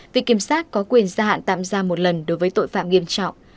viện kiểm sát có quyền gia hạn tạm giam một lần đối với tội phạm nghiêm trọng